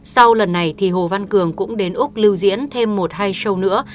sau lần này thì hồ văn cường cũng đến úc lưu diễn thêm một hai show nữa